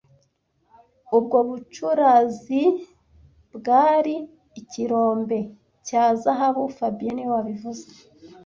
Ubwo bucurazibwari ikirombe cya zahabu fabien niwe wabivuze